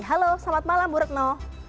halo selamat malam bu retno